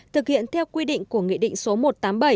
thực hiện theo quy định của nghị định số